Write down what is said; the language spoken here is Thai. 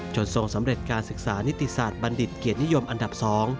ทรงสำเร็จการศึกษานิติศาสตร์บัณฑิตเกียรตินิยมอันดับ๒